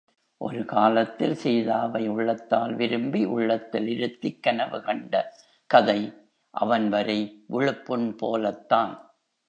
ஒரு காலத்தில் சீதாவை உள்ளத்தால் விரும்பி, உள்ளத்தில் இருத்திக் கனவுகண்ட கதை அவன் வரை விழுப்புண் போலத்தான்!